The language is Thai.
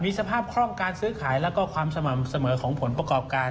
สภาพคล่องการซื้อขายแล้วก็ความสม่ำเสมอของผลประกอบการ